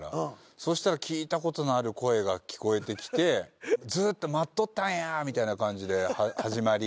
そしたら聞いたことのある声が聞こえてきて「ずっと待っとったんや」みたいな感じで始まり